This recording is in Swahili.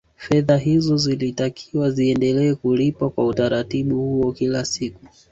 Fedha hizo zilitakiwa ziendelee kulipwa kwa utaratibu huo kila siku